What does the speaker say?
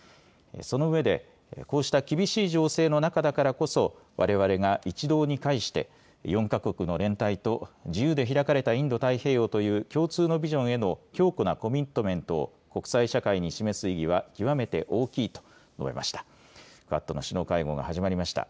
その上で、こうした厳しい情勢の中だからこそ、われわれが一堂に会して４か国の連帯と自由で開かれたインド太平洋という共通のビジョンへの強固なコミットメントを国際社会に示す意義は極めて大きいと述べました。